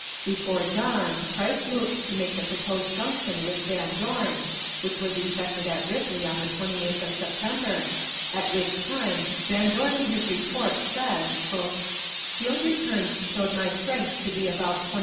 Before dawn Price moved to make the proposed junction with Van Dorn, which was effected at Ripley on the 28th of September, at which time Van Dorn in his report says: "Field returns showed my strength to be about 22,000.